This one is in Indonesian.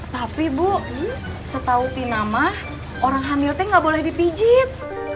tapi bu setahu tinama orang hamilnya nggak boleh dipijet